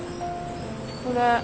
これ。